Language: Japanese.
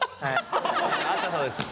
あったそうです。